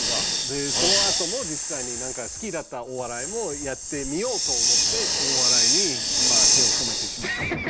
でそのあとも実際になんか好きだったお笑いもやってみようと思ってお笑いにまあ手を染めて。